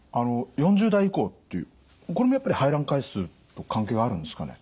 ４０代以降っていうこれもやっぱり排卵回数と関係があるんですかね？